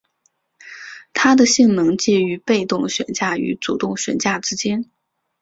它的性能介于被动悬架与主动悬架之间。